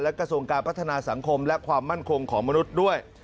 กระทรวงการพัฒนาสังคมและความมั่นคงของมนุษย์ด้วย